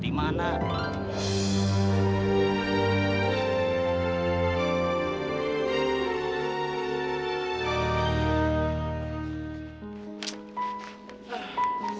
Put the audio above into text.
tidak tahu deflectivity